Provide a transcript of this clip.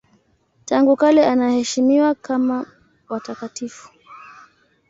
Tangu kale anaheshimiwa kama watakatifu.